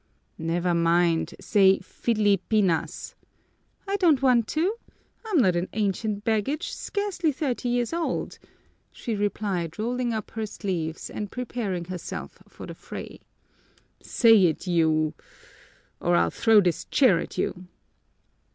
"Never mind! Say Filipinas!" "I don't want to. I'm no ancient baggage, scarcely thirty years old!" she replied, rolling up her sleeves and preparing herself for the fray. "Say it, you , or I'll throw this chair at you!"